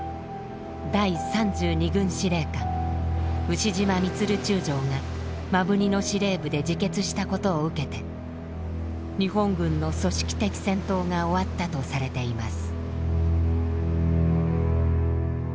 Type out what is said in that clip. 第３２軍司令官牛島満中将が摩文仁の司令部で自決したことを受けて日本軍の組織的戦闘が終わったとされています。